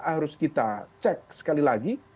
harus kita cek sekali lagi